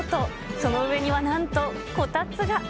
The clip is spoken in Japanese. その上にはなんとこたつが。